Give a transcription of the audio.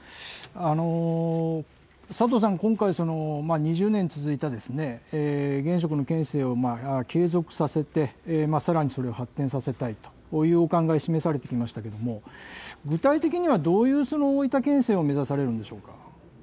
佐藤さん、今回、２０年続いた現職の県政を継続させて、さらにそれを発展させたいというお考え、示されてきましたけれども、具体的には、どういう大分県政を目指されるんでしょうか。